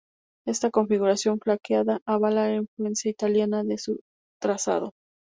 Esta configuración flanqueada avala la influencia italiana de su trazado.